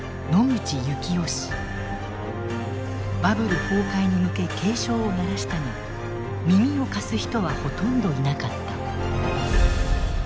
バブル崩壊に向け警鐘を鳴らしたが耳を貸す人はほとんどいなかった。